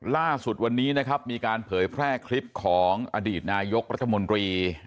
ล่าสุดวันนี้นะครับมีการเผยแพร่คลิปของอดีตนายกรัฐมนตรี